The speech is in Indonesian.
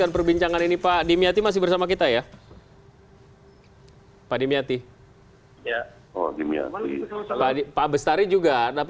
paa dimiati masih bersama kami pregnaa